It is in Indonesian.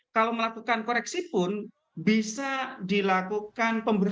kalau melakukan koreksi pun bisa dilakukan